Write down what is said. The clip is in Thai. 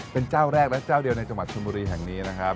เป็นเจ้าแรกและเจ้าเดียวในจังหวัดชนบุรีแห่งนี้นะครับ